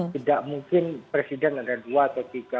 tidak mungkin presiden ada dua atau tiga